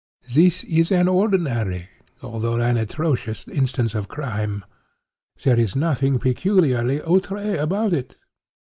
This is an ordinary, although an atrocious instance of crime. There is nothing peculiarly outré about it.